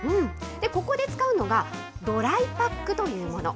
ここで使うのが、ドライパックというもの。